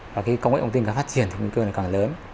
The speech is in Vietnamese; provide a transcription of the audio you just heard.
và công nghệ thông tin phát triển nguy cơ này càng lớn